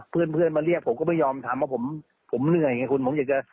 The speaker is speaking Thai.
เพื่อนมาเรียกผมก็ไม่ยอมทำผมเหนื่อยผมอยากจะ